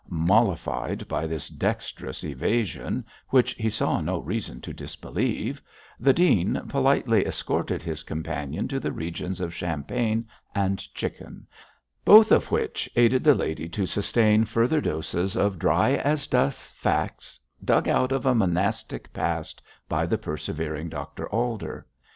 Mollified by this dexterous evasion, which he saw no reason to disbelieve, the dean politely escorted his companion to the regions of champagne and chicken, both of which aided the lady to sustain further doses of dry as dust facts dug out of a monastic past by the persevering Dr Alder.